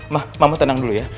mama tenang dulu ya